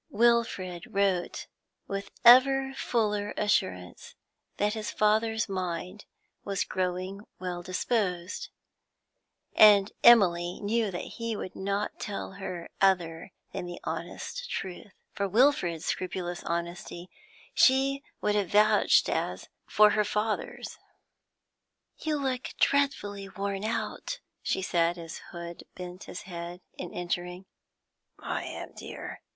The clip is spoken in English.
Wilfrid wrote with ever fuller assurance that his father's mind was growing well disposed, and Emily knew that he would not tell her other than the honest truth. For Wilfrid's scrupulous honesty she would have vouched as for her father's. 'You look dreadfully worn out,' she said, as Hood bent his head in entering. 'I am, dear.